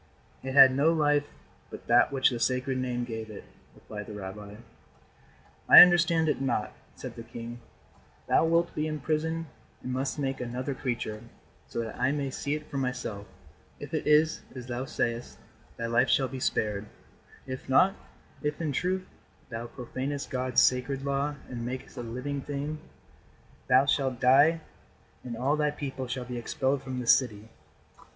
"It had no life but that which the Sacred Name gave it," replied the rabbi. "I understand it not," said the king. "Thou wilt be imprisoned and must make another creature, so that I may see it for myself. If it is as thou sayest, thy life shall be spared. If not if, in truth, thou profanest God's sacred law and makest a living thing, thou shalt die and all thy people shall be expelled from this city."